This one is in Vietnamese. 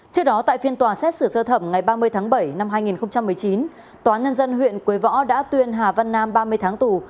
trước đó tại phiên tòa xét xử sơ thẩm ngày ba mươi tháng bảy năm hai nghìn một mươi chín tòa nhân dân huyện quế võ đã tuyên hà văn nam ba mươi tháng tù